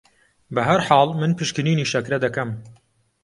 بە هەرحاڵ من پشکنینی شەکرە دەکەم